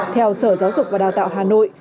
theo sở giáo dục và đào tạo hà nội